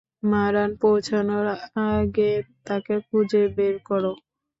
মারান পৌছানোর আগে তাকে খুঁজে বের করো।